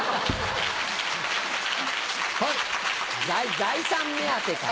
財産目当てかよ。